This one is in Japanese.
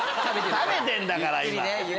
食べてんだから。